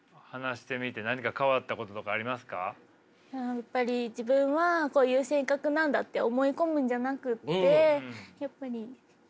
やっぱり自分はこういう性格なんだって思い込むんじゃなくてやっぱり何て言うんですかね